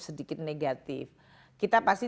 sedikit negatif kita pasti